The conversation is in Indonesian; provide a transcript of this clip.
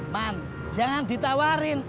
man jangan ditawarin